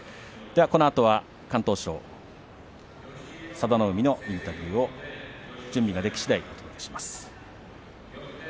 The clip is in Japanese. このあとは敢闘賞佐田の海のインタビューを準備ができしだいお届けいたします。